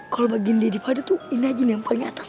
kalo bagiin dia di padat tuh ini aja yang paling atas